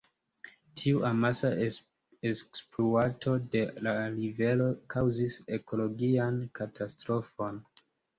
Tiu amasa ekspluato de la rivero kaŭzis ekologian katastrofon.